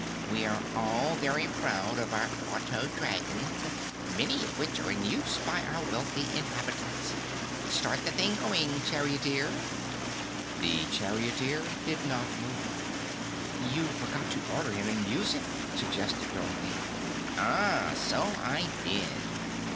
We are all very proud of our auto dragons, many of which are in use by our wealthy inhabitants. Start the thing going, charioteer!" The charioteer did not move. "You forgot to order him in music," suggested Dorothy. "Ah, so I did."